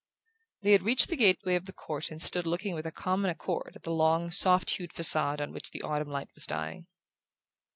They had reached the gateway of the court and stood looking with a common accord at the long soft hued facade on which the autumn light was dying.